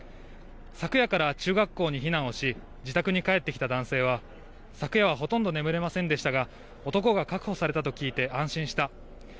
昨夜から中学校に避難をし、自宅に帰ってきた男性は昨夜はほとんど眠れませんでしたが、男が確保されたと聞いて安心した。